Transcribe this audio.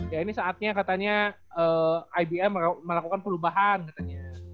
ya ini saatnya katanya ibm melakukan perubahan katanya